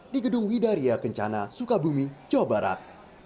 di gedung widaria kencana sukar bumi jawa barat